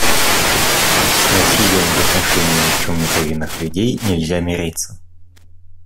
С насилием в отношении ни в чем не повинных людей нельзя мириться.